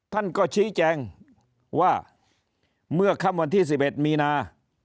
ท่านก็ชี้แจงว่าเมื่อค่ำวันที่๑๑มีนา